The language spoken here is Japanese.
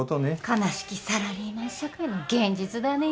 悲しきサラリーマン社会の現実だね。